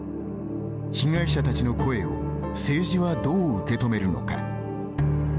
被害者たちの声を政治はどう受け止めるのか。